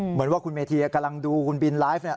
เหมือนว่าคุณเมธีกำลังดูคุณบินไลฟ์เนี่ย